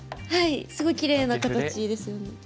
はいすごいきれいな形ですよね。